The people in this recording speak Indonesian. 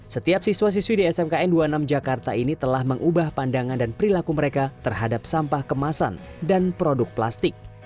setiap siswa siswi di smkn dua puluh enam jakarta ini telah mengubah pandangan dan perilaku mereka terhadap sampah kemasan dan produk plastik